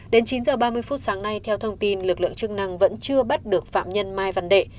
đến chín h ba mươi phút sáng nay theo thông tin lực lượng chức năng vẫn chưa bắt được phạm nhân mai văn đệ